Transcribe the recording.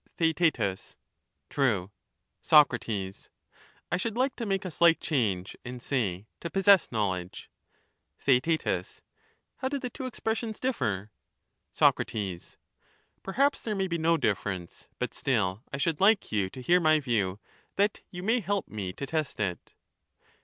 * Theaet. True. Soc. I should like to make a slight change, and say ' to possess ' knowledge. Theaet. How do the two expressions differ? Soc. Perhaps there may be no difference ; but still I should like you to hear my view, that you may help me to test it.